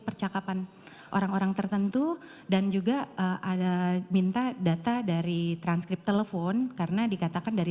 percakapan orang orang tertentu dan juga ada minta data dari transkrip telepon karena dikatakan dari